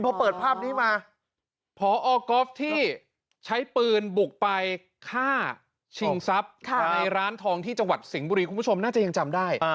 พอเปิดภาพนี้มาพอก๊อฟที่ใช้ปืนบุกไปฆ่าชิงทรัพย์ในร้านทองที่จังหวัดสิงห์บุรีคุณผู้ชมน่าจะยังจำได้